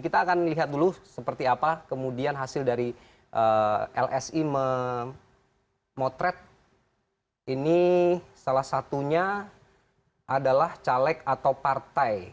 kita akan lihat dulu seperti apa kemudian hasil dari lsi memotret ini salah satunya adalah caleg atau partai